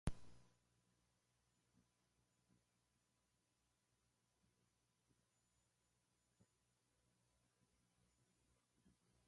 世界は常に進化の途上にありますわ。わたくしは変わっていく世界が楽しみですの